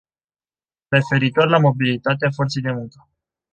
Referitor la mobilitatea forței de muncă.